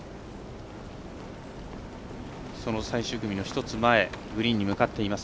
最終組の１つ前グリーンに向かっています。